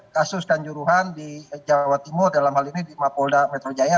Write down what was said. kasus kanjuruhan di jawa timur dalam hal ini di mapolda metro jaya